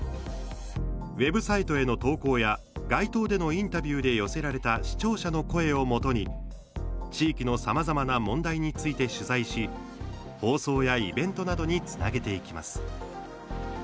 ウェブサイトへの投稿や街頭でのインタビューで寄せられた視聴者の声をもとに地域のさまざまな問題について取材し、放送やイベントなどにつなげていきます。